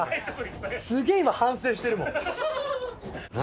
すげえ今反省してるもん。